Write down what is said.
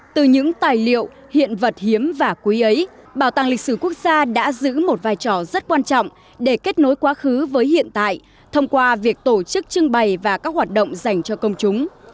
từ những tài liệu hiện vật hiếm và quý ấy bảo tàng lịch sử quốc gia đã giữ một vai trò rất quan trọng để kết nối quá khứ với hiện tại thông qua việc tổ chức trưng bày và các hoạt động dành cho công chúng